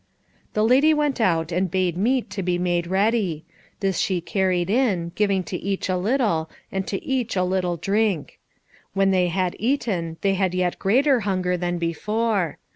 The lady went out, and bade meat to be made ready. This she carried in, giving to each a little, and to each a little drink. When they had eaten, they had yet greater hunger than before.